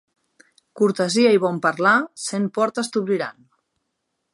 Cortesia i bon parlar cent portes t'obriran.